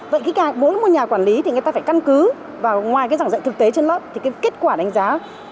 vậy mỗi nhà quản lý thì người ta phải căn cứ và ngoài giảng dạy thực tế trên lớp thì kết quả đánh giá